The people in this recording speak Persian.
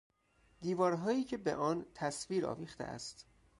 دیوارهایی که به آن تصویر آویخته است